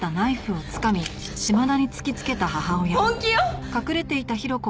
本気よ！